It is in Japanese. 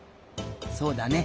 そうだね